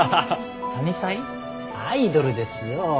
アイドルですよ